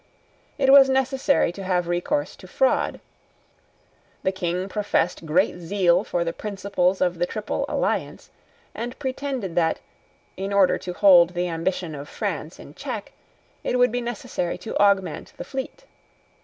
It was necessary to have recourse to fraud. The King professed great zeal for the principles of the Triple Alliance, and pretended that, in order to hold the ambition of France in check, it would be necessary to augment the fleet.